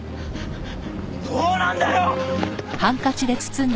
どうなんだよ！